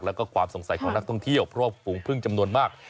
แล้วก็ความสงสัยของนักท่องเที่ยวเพราะว่าฝูงพึ่งจำนวนมาก